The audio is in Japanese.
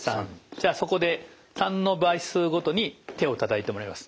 じゃあそこで３の倍数ごとに手をたたいてもらいます。